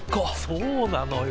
そうなのよ。